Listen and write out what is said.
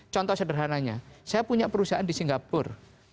contoh sederhananya saya punya perusahaan di singapura